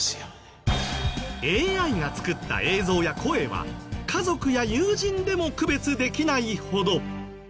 ＡＩが作った映像や声は家族や友人でも区別できないほど。